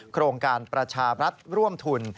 โครงการประชารัฐร่วมทุน